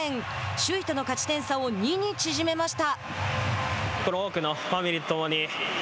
首位との勝ち点差を２に縮めました。